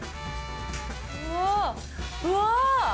うわうわ！